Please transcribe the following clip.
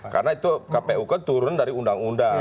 karena itu kpu kan turun dari undang undang